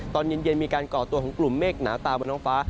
ตอนเย็นมีการก่อตัวของกลุ่มเมฆหนาตาบนท้องฟ้า